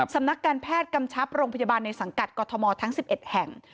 สำนักการแพทย์กำชับโรงพยาบาลในสังกัดกรทมทั้ง๑๑แห่ง